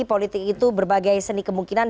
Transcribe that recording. politik itu berbagai seni kemungkinan